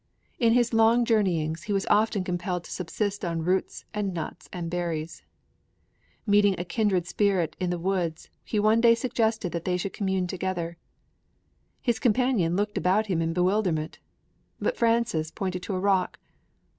In his long journeyings he was often compelled to subsist on roots and nuts and berries. Meeting a kindred spirit in the woods he one day suggested that they should commune together. His companion looked about him in bewilderment. But Francis pointed to a rock.